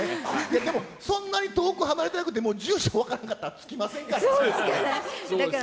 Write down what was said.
でも、そんなに遠く離れてなくても、もう住所分からなかったら着きませんから。